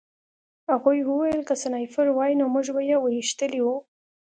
هغوی وویل که سنایپر وای نو موږ به یې ویشتلي وو